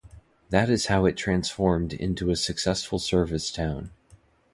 That is how it transformed into a successful service town.